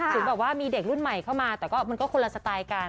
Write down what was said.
ถึงแบบว่ามีเด็กรุ่นใหม่เข้ามาแต่ก็มันก็คนละสไตล์กัน